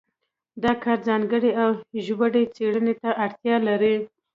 دا کار ځانګړې او ژورې څېړنې ته اړتیا لري.